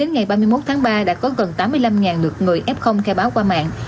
ngày ba mươi một tháng ba đã có gần tám mươi năm lượt người f khai báo qua mạng